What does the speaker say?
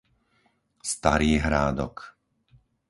Starý Hrádok